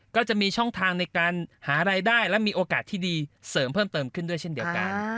ก็จะมีช่องทางในการหารายได้และมีโอกาสที่ดีเสริมเพิ่มเติมขึ้นด้วยเช่นเดียวกัน